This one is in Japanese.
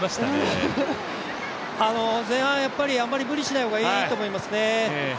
前半やはりあまり無理しない方がいいと思いますね